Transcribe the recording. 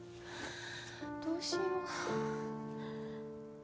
どうしよう。